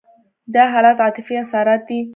دا حالت عاطفي اسارت دی.